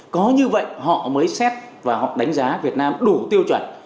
có như vậy họ mới xét và họ đánh giá việt nam đủ tiêu chuẩn